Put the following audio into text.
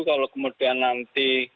kalau kemudian nanti